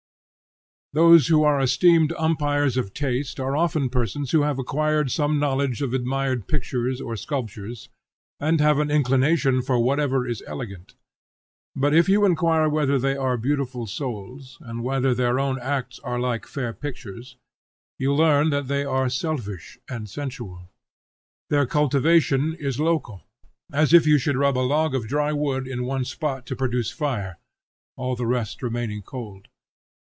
Those who are esteemed umpires of taste are often persons who have acquired some knowledge of admired pictures or sculptures, and have an inclination for whatever is elegant; but if you inquire whether they are beautiful souls, and whether their own acts are like fair pictures, you learn that they are selfish and sensual. Their cultivation is local, as if you should rub a log of dry wood in one spot to produce fire, all the rest remaining cold.